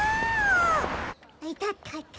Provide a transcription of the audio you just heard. いたたたた。